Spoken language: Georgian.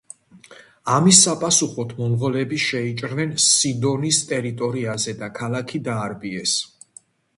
ამის საპასუხოდ მონღოლები შეიჭრნენ სიდონის ტერიტორიაზე და ქალაქი დაარბიეს.